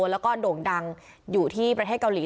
แล้วก็โด่งดังอยู่ที่ประเทศเกาหลี